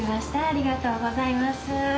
ありがとうございます。